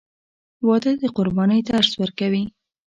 • واده د قربانۍ درس ورکوي.